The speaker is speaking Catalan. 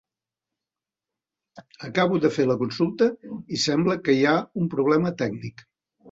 Acabo de fer la consulta i sembla que hi ha un problema tècnic.